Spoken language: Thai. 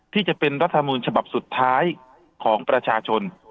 ที่จะเป็นรัฐมูลฉบับสุดท้ายของประชาชน